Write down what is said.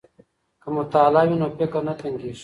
که مطالع وي نو فکر نه تنګیږي.